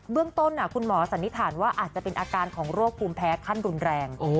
เรื่องต้นคุณหมอสันนิษฐานว่าอาจจะเป็นอาการของโรคภูมิแพ้ขั้นรุนแรง